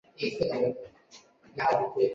后两种是正常的方式。